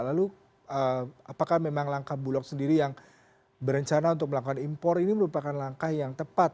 lalu apakah memang langkah bulog sendiri yang berencana untuk melakukan impor ini merupakan langkah yang tepat